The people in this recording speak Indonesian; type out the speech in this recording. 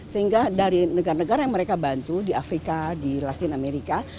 sehingga dari negara negara yang mereka bantu di afrika di latin amerika